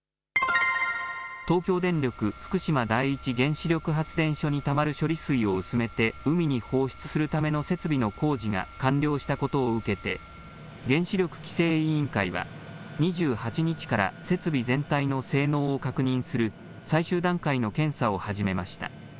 東京電力福島第一原子力発電所にたまる処理水を薄めて海に放出するための設備の工事が完了したことを受けて、原子力規制委員会は、２８日から設備全体の性能を確認する最終段階の検査を始めました。